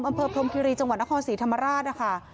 อำเภอพรมคิรีจังหวัดนครศรีธรรมราชนะคะ